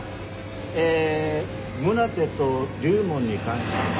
え宗手と龍門に関しては。